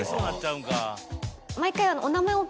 毎回。